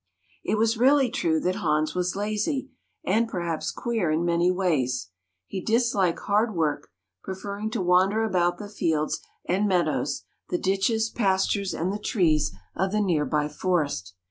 It was really true that Hans was lazy and perhaps queer in many ways. He disliked hard work, preferring to wander about the fields and meadows, the ditches, pastures, and the trees of the nearby forest.